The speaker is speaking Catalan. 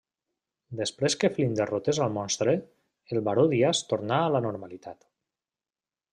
Després que Flint derrotés al monstre, el Baró Díaz torna a la normalitat.